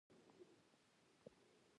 درېیم دا چې باید ځانګړي تدابیر ونیول شي.